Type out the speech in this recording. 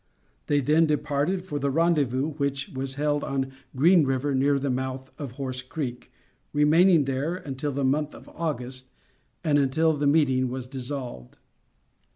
They then departed for the rendezvous which was held on Green River near the mouth of Horse Creek, remaining there until the month of August and until the meeting was dissolved.